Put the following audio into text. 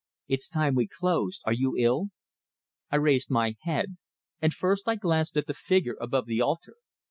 It's time we closed. Are you ill?" I raised my head; and first I glanced at the figure above the altar.